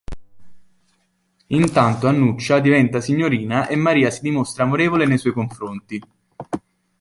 Intanto Annuccia diventa signorina e Maria si dimostra amorevole nei suoi confronti.